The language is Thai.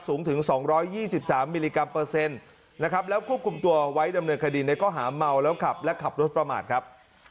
สูงถึง๒๒๓มิลลิกรัมเปอร์เซ็นต์นะครับแล้วควบคุมตัวไว้ดำเนินคดีในข้อหาเมาแล้วขับและขับรถประมาทครับ